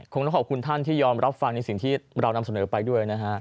ต้องขอบคุณท่านที่ยอมรับฟังในสิ่งที่เรานำเสนอไปด้วยนะฮะ